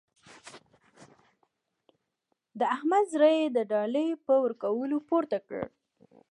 د احمد زړه يې د ډالۍ په ورکولو پورته کړ.